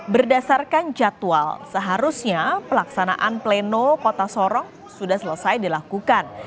berdasarkan jadwal seharusnya pelaksanaan pleno kota sorong sudah selesai dilakukan